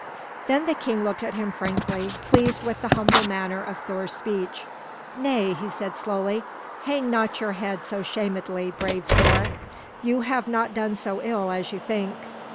Then the king looked at him frankly, pleased with the humble manner of Thor's speech. "Nay," he said slowly, "hang not your head so shamedly, brave Thor. You have not done so ill as you think.